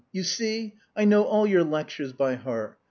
_ You see, I know all your lectures by heart.